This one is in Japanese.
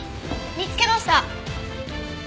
見つけました。